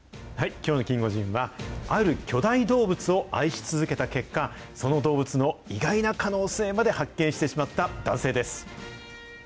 きょうのキンゴジンは、ある巨大動物を愛し続けた結果、その動物の意外な可能性まで発見してしまった男性です。